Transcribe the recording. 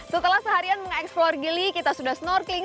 setelah seharian mengeksplor gili kita sudah snorkeling